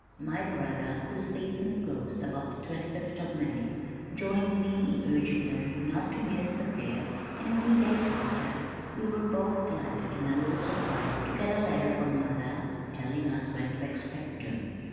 My brother whose season closed about the twenty fifth of May, joined me in urging them not to miss the fair and a few days later we were both delighted and a little surprised to get a letter from mother telling us when to expect them.